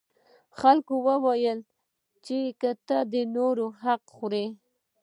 خلکو وویل چې ته د نورو حق خوري.